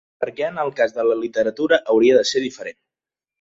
Per què en el cas de la literatura hauria de ser diferent?